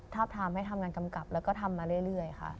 ทำให้ทำงานกำกับแล้วก็ทำมาเรื่อยค่ะ